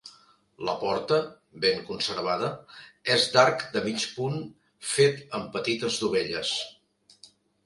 La porta, ben conservada, és d'arc de mig punt fet amb petites dovelles.